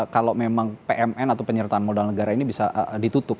kalau memang pmn atau penyertaan modal negara ini bisa ditutup